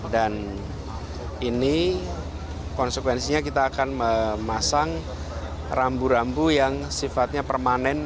dan ini konsekuensinya kita akan memasang rambu rambu yang sifatnya permanen